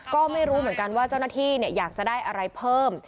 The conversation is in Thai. ก็ไม่รู้เหมือนกันว่าเจ้าหน้าที่อยากจะได้อะไรเพิ่ม